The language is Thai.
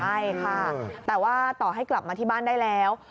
ใช่ค่ะแต่ว่าต่อให้กลับมาที่บ้านได้แล้ว